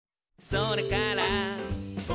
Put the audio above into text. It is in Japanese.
「それから」